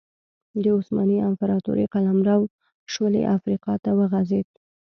د عثماني امپراتورۍ قلمرو شولې افریقا ته وغځېد.